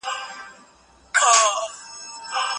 د ناپوهۍ پر وړاندي مبارزه وکړئ.